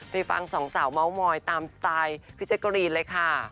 ไปฟังสองสาวมะวมอยตามสไตล์พี่เจดโกรีย์เลยค่ะ